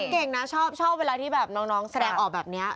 เก่งนะชอบเวลาที่แบบน้องแสดงออกแบบนี้